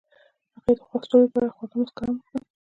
هغې د خوښ ستوري په اړه خوږه موسکا هم وکړه.